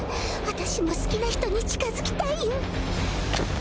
私も好きな人に近づきたいよ